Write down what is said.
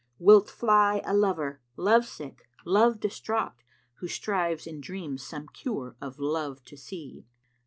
Wilt fly a lover, love sick, love distraught * Who strives in dreams some cure of love to see?